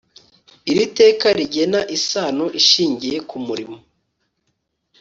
iri teka rigena isano ishingiye ku murimo